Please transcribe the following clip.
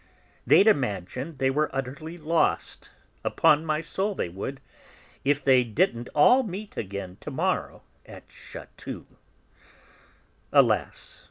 They'd imagine they were utterly lost, upon my soul they would, if they didn't all meet again to morrow at Chatou!" Alas!